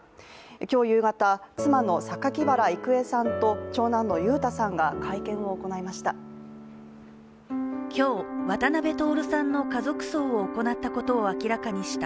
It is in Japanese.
今日夕方、妻の榊原郁恵さんと長男の裕太さんが会見を行いました。